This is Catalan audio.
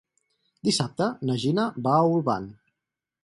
Dissabte na Gina va a Olvan.